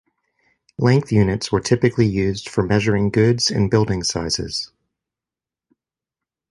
Length units were typically used for measuring goods and building sizes.